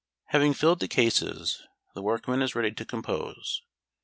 Having filled the cases, the workman is ready to "compose."